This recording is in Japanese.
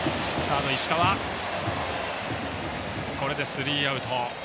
スリーアウト。